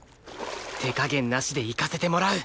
手加減なしでいかせてもらう！